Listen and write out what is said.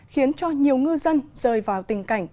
khiến cho nhiều ngư dân rơi vào tình cảnh